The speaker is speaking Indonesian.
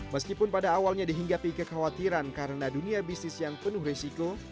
meskipun pada awalnya dihinggapi kekhawatiran karena dunia bisnis yang penuh resiko